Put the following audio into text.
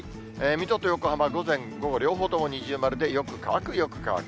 水戸と横浜、午前、午後とも両方とも二重丸で、よく乾く、よく乾く。